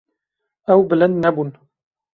Ew bilind nebûn.